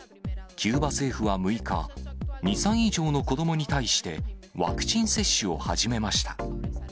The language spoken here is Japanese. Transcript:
キューバ政府は６日、２歳以上の子どもに対して、ワクチン接種を始めました。